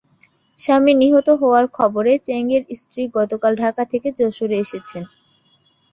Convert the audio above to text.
স্বামী নিহত হওয়ার খবরে চ্যাংয়ের স্ত্রী গতকাল ঢাকা থেকে যশোরে এসেছেন।